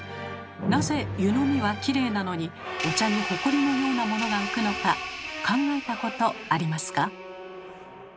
なぜ湯のみはきれいなのにお茶にホコリのようなものが浮くのか考えたことありますか？